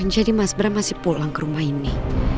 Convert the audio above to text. jadi mas bram masih pulang kerumah ini